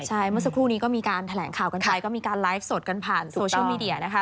ใช่เมื่อสักครู่นี้ก็มีการแถลงข่าวกันไปก็มีการไลฟ์สดกันผ่านโซเชียลมีเดียนะคะ